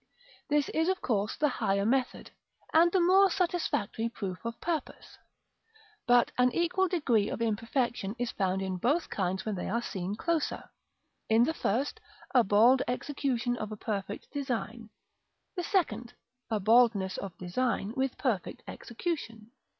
This is of course the higher method, and the more satisfactory proof of purpose; but an equal degree of imperfection is found in both kinds when they are seen close; in the first, a bald execution of a perfect design; the second, a baldness of design with perfect execution.